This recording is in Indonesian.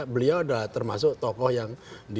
beliau sudah termasuk tokoh yang